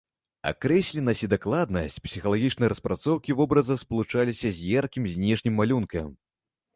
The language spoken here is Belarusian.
Акрэсленасць і дакладнасць псіхалагічнай распрацоўкі вобраза спалучаліся з яркім знешнім малюнкам.